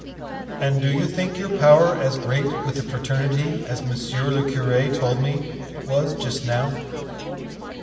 "And do you think your power as great with the fraternity as monsieur le curé told me it was just now?"